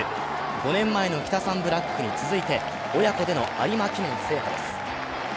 ５年前のキタサンブラックに続いて親子での有馬記念制覇です。